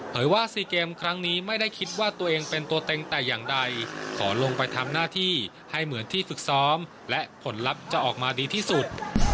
ว่า๔เกมครั้งนี้ไม่ได้คิดว่าตัวเองเป็นตัวเต็งแต่อย่างใดขอลงไปทำหน้าที่ให้เหมือนที่ฝึกซ้อมและผลลัพธ์จะออกมาดีที่สุด